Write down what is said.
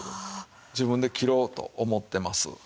自分で切ろうと思ってます。